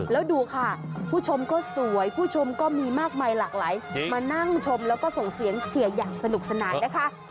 แล้วดูค่ะผู้ชมก็สวยผู้ชมก็มีมากมายหลากหลายมานั่งชมแล้วก็ส่งเสียงเชียร์อย่างสนุกสนานนะคะ